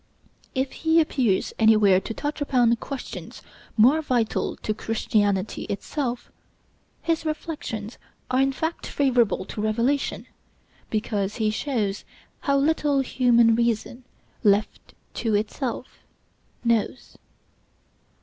If he appears anywhere to touch upon questions more vital to Christianity itself, his reflections are in fact favorable to revelation, because he shows how little human reason, left to itself, knows.